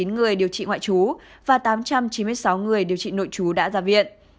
năm trăm linh chín người điều trị ngoại trú và tám trăm chín mươi sáu người điều trị nội trú đã ra viện